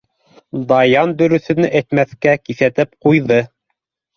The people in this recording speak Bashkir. Даян дөрөҫөн әйтмәҫкә киҫәтеп ҡуйҙы.